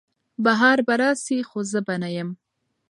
بهار به راسي خو زه به نه یم